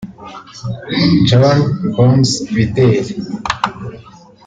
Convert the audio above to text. John Bonds Bideri